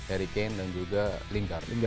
hurricane dan juga lingard